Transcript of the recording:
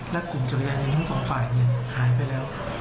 และกลุ่มจักรยานในทั้ง๒ฝ่ายหายไปแล้ว